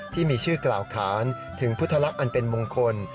ที่มีชื่อกล่าวค้านถึงพุทธลักษณ์อันเป็นมงคล